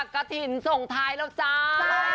กระถิ่นส่งท้ายแล้วจ้า